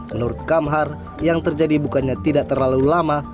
menurut kamhar yang terjadi bukannya tidak terlalu lama